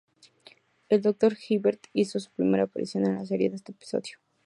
El Dr. Hibbert hizo su primera aparición en la serie en este episodio.